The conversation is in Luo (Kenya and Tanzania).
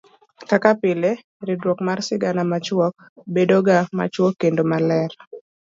kaka pile ridruok mar sigana machuok bedoga machuok kendo maler.